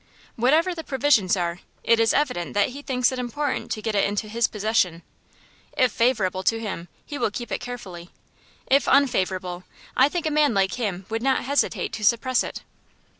"Whatever the provisions are, it is evident that he thinks it important to get it into his possession. If favorable to him, he will keep it carefully. If unfavorable, I think a man like him would not hesitate to suppress it."